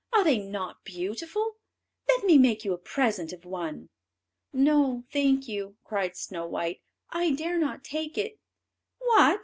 Are they not beautiful? let me make you a present of one." "No, thank you," cried Snow white; "I dare not take it." "What!"